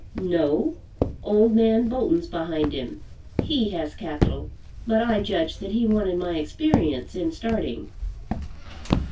"No. Old man Bolton's behind him. He has capital, but I judged that he wanted my experience in starting."